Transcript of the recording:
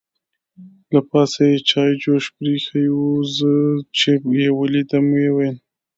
له پاسه یې چای جوش پرې اېښې وه، زه چې یې ولیدم ویې ویل.